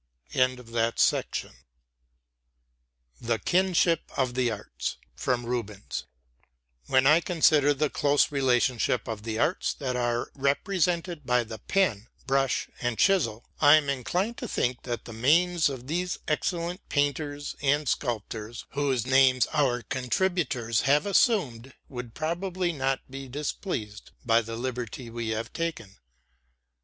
THE KINSHIP OF THE ARTS From 'Rubens' When I consider the close relationship of the arts that are represented by the pen, brush, and chisel, I am inclined to think that the manes of these excellent painters and sculptors whose names our contributors have assumed would probably not be displeased with the liberty we have taken.